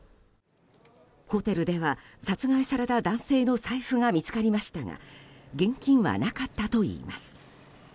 ホテルでは殺害された男性の財布が見つかりましたが現金はなかったといいます。